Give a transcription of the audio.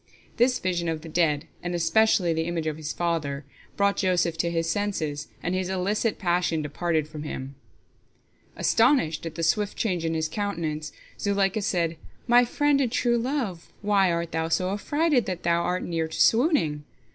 This vision of the dead, and especially the image of his father, brought Joseph to his senses, and his illicit passion departed from him. Astonished at the swift change in his countenance, Zuleika said, "My friend and true love, why art thou so affrighted that thou art near to swooning?